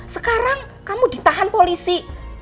sekarang kamu ditahan polisi